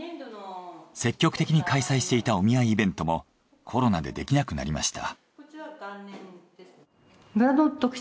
積極的に開催していたお見合いイベントもコロナでできなくなりました。